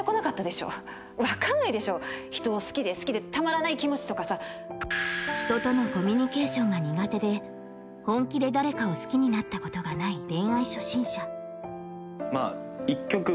分かんないでしょ人を好きで好きでたまらない気持ちとかさ人とのコミュニケーションが苦手で本気で誰かを好きになったことがない